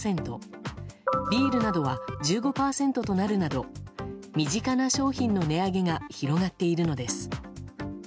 ビールなどは１５％となるなど身近な商品の値上げが広がっているのです。